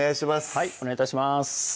はいお願い致します